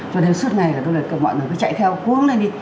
cho nên suốt ngày mọi người cứ chạy theo cuốn lên đi